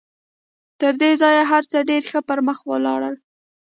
تر دې ځایه هر څه ډېر ښه پر مخ ولاړل